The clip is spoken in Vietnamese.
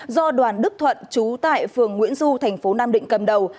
do đoàn đức thuận trú tại phường nguyễn du thành phố nam định cầm đầu